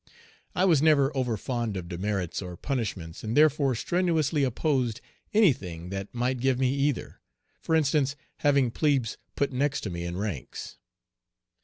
I was never overfond of demerits or punishments, and therefore strenuously opposed any thing that might give me either; for instance, having plebes put next to me in ranks.